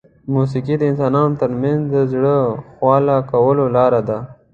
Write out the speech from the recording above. موسیقي د انسانانو ترمنځ د زړه خواله کولو لاره ده.